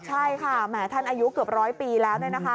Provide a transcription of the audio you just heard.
ใช่ค่ะแหมท่านอายุเกือบร้อยปีแล้วเนี่ยนะคะ